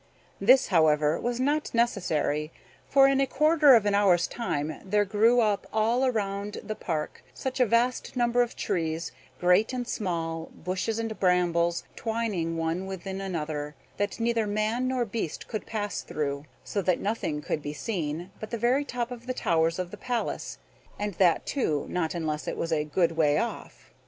This, however, was not necessary, for in a quarter of an hour's time there grew up all round about the park such a vast number of trees, great and small, bushes and brambles, twining one within another, that neither man nor beast could pass through; so that nothing could be seen but the very top of the towers of the palace; and that, too, not unless it was a good way off.